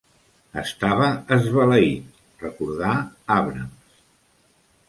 "Estava esbalaït", recordà Abrams.